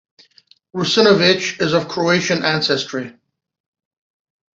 Russinovich is of Croatian ancestry.